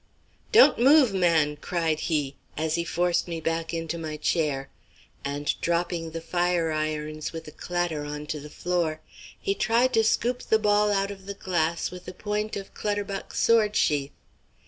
"Don't move, man!" cried he, as he forced me back into my chair, and dropping the fire irons with a clatter on to the floor, he tried to scoop the ball out of the glass with the point of Clutterbuck's sword sheath.